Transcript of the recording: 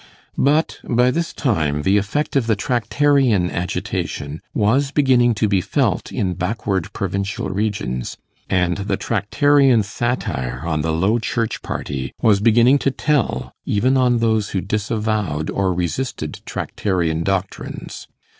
But by this time the effect of the Tractarian agitation was beginning to be felt in backward provincial regions, and the Tractarian satire on the Low Church party was beginning to tell even on those who disavowed or resisted Tractarian doctrines.